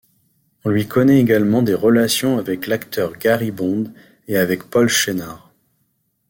On lui connaît également des relations avec l'acteur Gary Bond et avec Paul Shenar.